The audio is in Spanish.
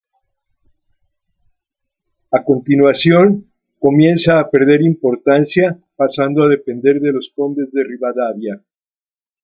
A continuación comienza a perder importancia pasando a depender de los Condes de Ribadavia.